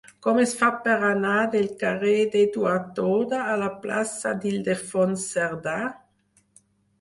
Com es fa per anar del carrer d'Eduard Toda a la plaça d'Ildefons Cerdà?